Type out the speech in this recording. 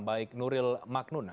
baik nuril magnuna